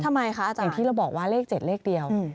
ทำไมคะอาจารย์ที่เราบอกว่าเลข๗เลขเดียว